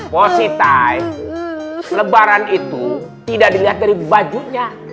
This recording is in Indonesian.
positive lebaran itu tidak dilihat dari bajunya